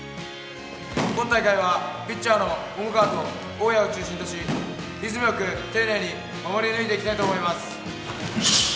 今大会は、ピッチャーの重川と大矢を中心としリズムよく、丁寧に守り抜いていきたいと思います。